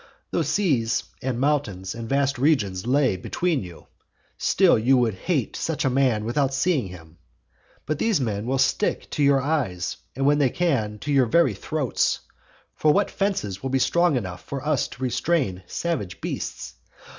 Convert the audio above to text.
Though seas and mountains, and vast regions lay between you, still you would hate such a man without seeing him. But these men will stick to your eyes, and when they can, to your very throats; for what fences will be strong enough for us to restrain savage beasts?